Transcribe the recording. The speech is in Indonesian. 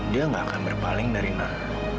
dia gak akan berpaling dari non